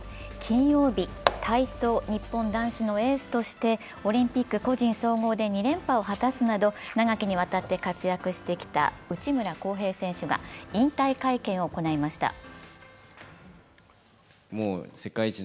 金曜日、体操日本男子のエースとしてオリンピック個人総合で２連覇を果たすなど長きにわたって活躍してきた内村航平選手が引退会見を行いました。